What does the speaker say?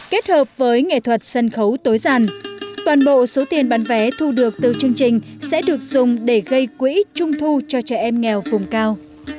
kết hợp với nghệ thuật sân khấu tối giản toàn bộ số tiền bán vé thu được từ chương trình sẽ được dùng để gây quỹ trung thu cho trẻ em nghèo vùng cao